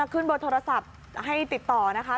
ขึ้นเบอร์โทรศัพท์ให้ติดต่อนะคะ